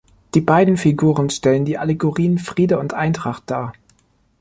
Die beiden Figuren stellen die Allegorien Friede und Eintracht dar.